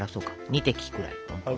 ２滴ぐらい。